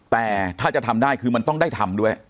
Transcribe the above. แต่ถ้าจะทำได้คือมันต้องได้ทำด้วย